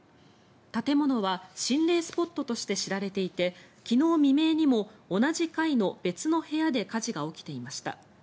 建物は心霊スポットとして知られていて、昨日未明にも同じ階の別の部屋で火事が起きていました。